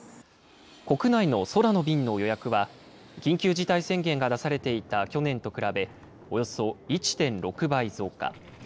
国内の空の便の予約は、緊急事態宣言が出されていた去年と比べ、およそ１．６倍増加。